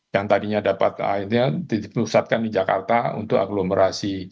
yang tadinya dapat akhirnya dipusatkan di jakarta untuk aglomerasi